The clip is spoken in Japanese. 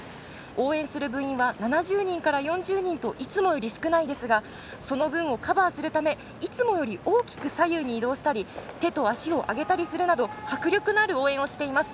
応援する部員は７０人から４０人といつもより少ないですがその分をカバーするためいつもより大きく左右に移動したり手と足を上げたりするなど迫力ある応援をしています。